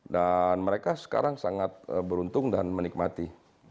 dan mereka sekarang sangat beruntung dan menikmati